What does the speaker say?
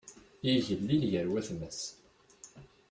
Yigellil gar watma-s.